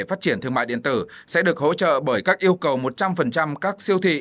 phát triển thương mại điện tử sẽ được hỗ trợ bởi các yêu cầu một trăm linh các siêu thị